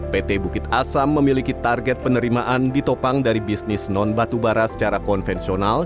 pt bukit asam memiliki target penerimaan ditopang dari bisnis non batubara secara konvensional